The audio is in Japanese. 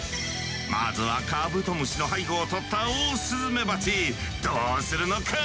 まずはカブトムシの背後をとったオオスズメバチどうするのか。